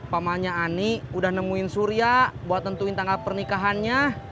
pamannya ani udah nemuin surya buat tentuin tanggal pernikahannya